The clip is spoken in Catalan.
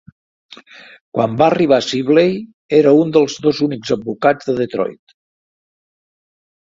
Quan va arribar, Sibley era un dels dos únics advocats de Detroit.